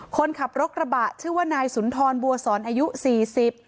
คนขับรถกระบะชื่อว่านายสุนทรบัวสอนอายุสี่สิบ